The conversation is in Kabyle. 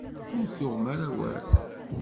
Ur tuɣem ara awal.